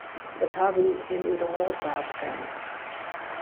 Dat hawwe wy him út 'e holle prate kinnen.